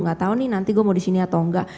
gak tau nih nanti gue mau disini atau enggak